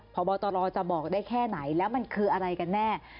พบตรจะบอกได้แค่ไหนแล้วมันคืออะไรกันแน่